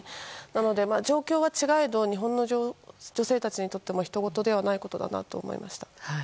なので状況は違えど日本の女性たちにもひとごとではないことだなと思いました。